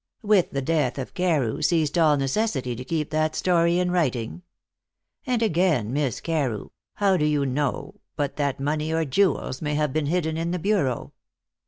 With the death of Carew ceased all necessity to keep that story in writing. And again, Miss Carew, how do you know but that money or jewels may have been hidden in the bureau?"